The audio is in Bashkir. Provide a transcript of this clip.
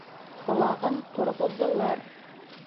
Ҡолағын торғоҙҙолар.